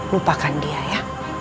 lupakan dia ya